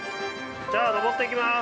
◆じゃあ上っていきます。